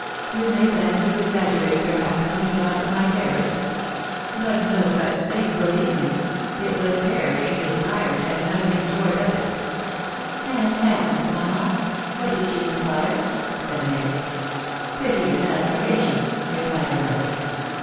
You may fancy you exaggerate, perhaps, when pom talk of my terrors ;:.... but no such thing, believe me. It was terror she in *s/ifed, and nothing* hori tr£ at." " And Agnes, sBouma.'?.. «.. what did .she .inspire ?'* *ai$ Mary. ■•, u Pity ifind BdmirationL," replied her mother.